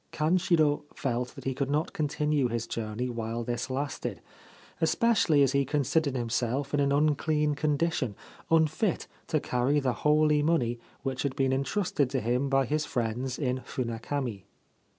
Kanshiro felt that he could not continue his journey while this lasted, especially as he considered himself in an unclean condition, unfit to carry the holy money which had been entrusted to him by his friends in Funakami.